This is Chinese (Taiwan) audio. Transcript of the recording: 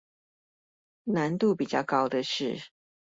難度比較高的是